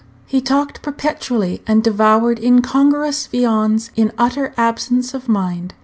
He talked perpetually, and devoured incongruous viands in utter absence of mind.